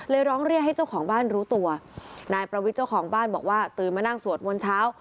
ร้องเรียกให้เจ้าของบ้านรู้ตัวนายประวิทย์เจ้าของบ้านบอกว่าตื่นมานั่งสวดมนต์เช้า